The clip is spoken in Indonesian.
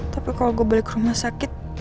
tapi kalau gue balik ke rumah sakit